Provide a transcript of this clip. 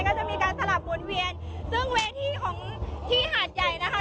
ก็จะมีการสลับหมุนเวียนซึ่งเวทีของที่หาดใหญ่นะคะ